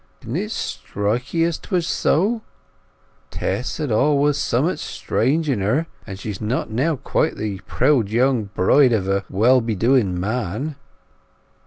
Didn't it strike 'ee that 'twas so? Tess had always sommat strange in her, and she's not now quite like the proud young bride of a well be doing man."